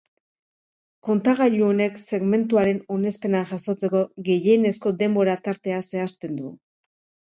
Kontagailu honek segmentuaren onespena jasotzeko gehienezko denbora tartea zehazten du.